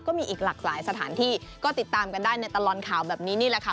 ก็มีอีกหลากหลายสถานที่ก็ติดตามกันได้ในตลอดข่าวแบบนี้นี่แหละค่ะ